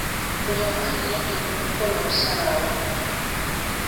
Buli omu alina eddembe okukola okusalawo.